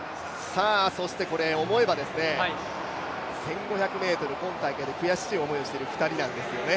そして思えば１５００ｍ、今大会で悔しい思いをしている２人なんですよね。